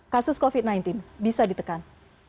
kasus covid sembilan belas bisa ditekan